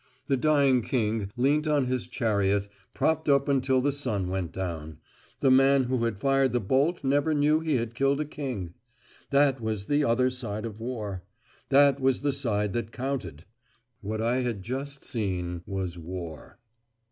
The dying king leant on his chariot, propped up until the sun went down. The man who had fired the bolt never knew he had killed a king. That was the other side of war; that was the side that counted. What I had just seen was war.